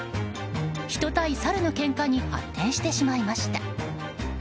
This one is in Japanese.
人対サルのけんかに発展してしまいました。